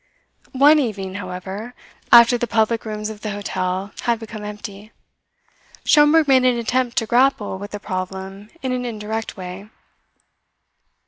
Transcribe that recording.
One evening, however, after the public rooms of the hotel had become empty, Schomberg made an attempt to grapple with the problem in an indirect way.